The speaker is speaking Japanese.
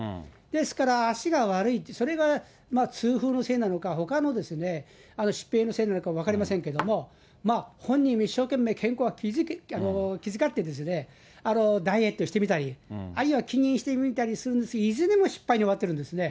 ですから、足が悪い、それが痛風のせいなのか、ほかの疾病のせいなのか分かりませんけれども、まあ本人が一生懸命健康を気遣ってダイエットしてみたり、あるいは気にしてみたりするんですけど、いずれも失敗に終わってるんですね。